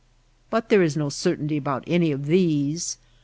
But there is no certainty about any of these.